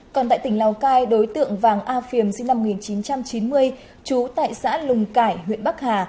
còn tại tỉnh lào cai đối tượng vàng a phiềm sinh năm một nghìn chín trăm chín mươi trú tại xã lùng cải huyện bắc hà